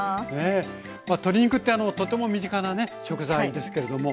鶏肉ってとても身近なね食材ですけれども。